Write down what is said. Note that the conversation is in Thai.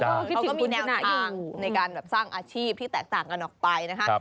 เขาก็มีแนวทางในการสร้างอาชีพที่แตกต่างกันออกไปนะคะ